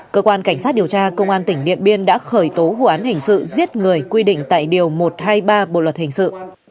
cơ quan cảnh sát điều tra công an tỉnh điện biên đã khởi tố vụ án hình sự giết người quy định tại điều một trăm hai mươi ba bộ luật hình sự